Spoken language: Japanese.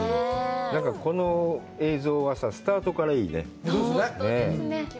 なんかこの映像はさ、スタートからいいね。